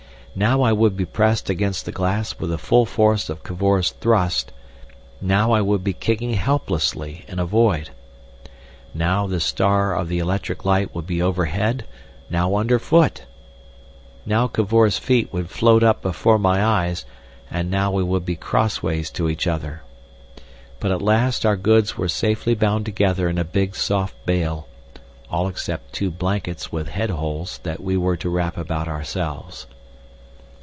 Now I would be pressed against the glass with the full force of Cavor's thrust, now I would be kicking helplessly in a void. Now the star of the electric light would be overhead, now under foot. Now Cavor's feet would float up before my eyes, and now we would be crossways to each other. But at last our goods were safely bound together in a big soft bale, all except two blankets with head holes that we were to wrap about ourselves.